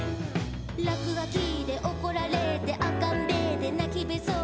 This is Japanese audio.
「らくがきでおこられてあっかんべーでなきべそで」